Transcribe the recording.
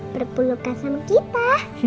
berpelukkan sama kita